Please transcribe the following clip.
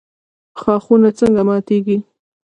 ښاخونه څنګه ماتیږي؟